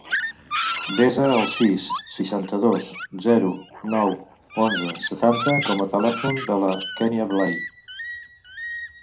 Desa el sis, seixanta-dos, zero, nou, onze, setanta com a telèfon de la Kènia Blay.